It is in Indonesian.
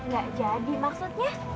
gak jadi maksudnya